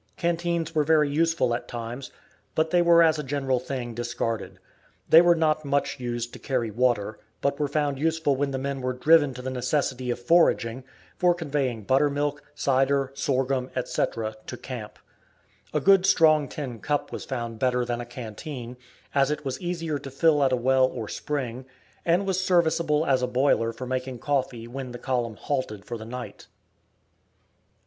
Canteens were very useful at times, but they were as a general thing discarded. They were not much used to carry water, but were found useful when the men were driven to the necessity of foraging, for conveying buttermilk, cider, sorghum, etc., to camp. A good strong tin cup was found better than a canteen, as it was easier to fill at a well or spring, and was serviceable as a boiler for making coffee when the column halted for the night.